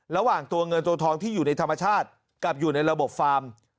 ระหว่างตัวเงินตัวทองที่อยู่ในธรรมชาติกับอยู่ในระบบฟาร์ม